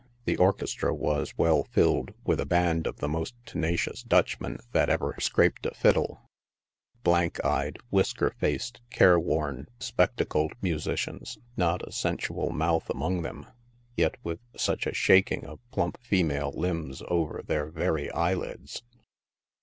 The orchestra was well filled with a band of the most tenacious Dutchmen that ever 18 NIGHT SIDE OF NEW YORK. scraped a fiddle blank eyed, whisker faced, careworn, spectacled musicians— not a sensual mouth among them, yet with such a shak ing of plump female limbs over their very eyelids